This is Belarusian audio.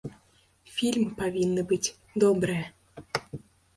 Фільмы павінны быць добрыя.